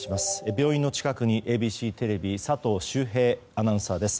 病院の近くに、ＡＢＣテレビ佐藤修平アナウンサーです。